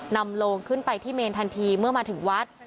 โลงขึ้นไปที่เมนทันทีเมื่อมาถึงวัด